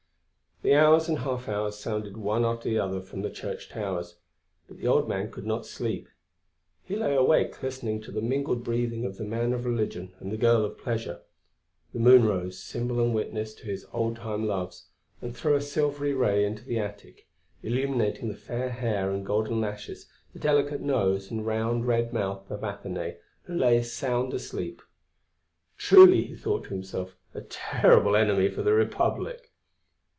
The hours and half hours sounded one after the other from the church towers, but the old man could not sleep; he lay awake listening to the mingled breathing of the man of religion and the girl of pleasure. The moon rose, symbol and witness of his old time loves, and threw a silvery ray into the attic, illuminating the fair hair and golden lashes, the delicate nose and round, red mouth of Athenaïs, who lay sound asleep. "Truly," he thought to himself, "a terrible enemy for the Republic!"